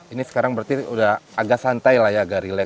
ini sekarang berarti sudah agak santai agak rileks